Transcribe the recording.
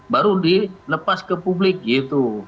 baru dilepas ke publik gitu